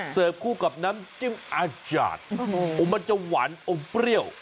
เสิร์ฟคู่กับน้ำจิ้มอาจารย์อ๋อมันจะหวานอ่อมเปรี้ยว